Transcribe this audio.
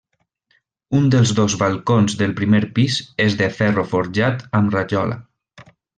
Un dels dos balcons del primer pis és de ferro forjat amb rajola.